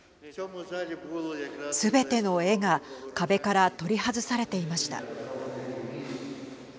すべての絵が壁から取り外されていました。